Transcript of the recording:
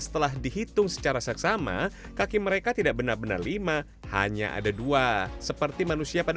setelah dihitung secara seksama kaki mereka tidak benar benar lima hanya ada dua seperti manusia pada